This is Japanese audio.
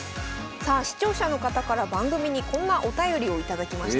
さあ視聴者の方から番組にこんなお便りを頂きました。